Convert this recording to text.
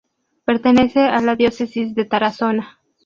Pertenece a la diócesis de Tarazona.